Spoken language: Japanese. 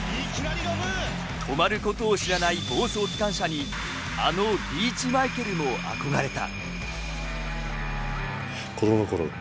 止まることを知らない暴走機関車にあのリーチマイケルも憧れた。